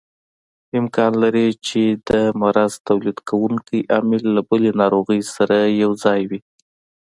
امکان لري چې د مرض تولید کوونکی عامل له بلې ناروغۍ سره یوځای وي.